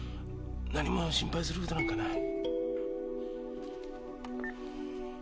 何も心配する事なんかない。